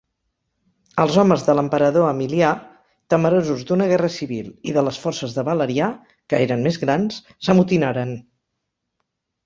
Els homes de l'emperador Emilià, temerosos d'una guerra civil i de les forces de Valerià, que eren més grans, s'amotinaren.